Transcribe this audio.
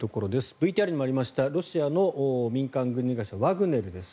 ＶＴＲにもありましたロシアの民間軍事会社ワグネルです。